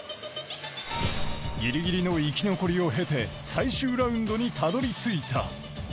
ギリギリの生き残りを経て最終ラウンドにたどり着いた。